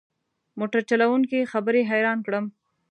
موټر چلوونکي خبرې حیران کړم.